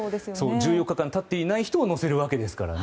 １４日間経っていない人を乗せるわけですからね。